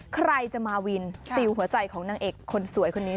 ใครจะมาวินสิวหัวใจของนางเอ๋กคนนี้